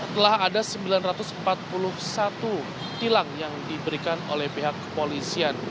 telah ada sembilan ratus empat puluh satu tilang yang diberikan oleh pihak kepolisian